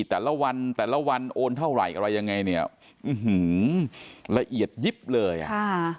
แต่ละวันแต่ละวันโอนเท่าไหร่อะไรยังไงเนี่ยอื้อหือละเอียดยิบเลยอ่ะค่ะ